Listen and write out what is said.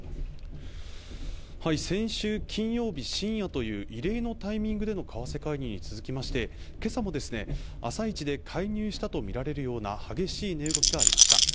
先週金曜日深夜という異例のタイミングでの為替介入に続きまして今朝もですね朝一で介入したと見られるような激しい値動きがありました